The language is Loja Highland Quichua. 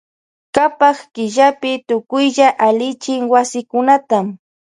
Kapak killapi tukuylla allichin wasikunata.